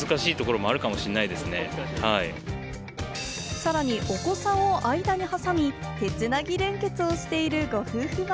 さらにお子さんを間に挟み、手つなぎ連結をしているご夫婦は。